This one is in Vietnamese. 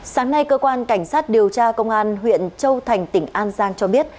sáng nay cơ quan cảnh sát điều tra công an huyện châu thành tỉnh an giang cho biết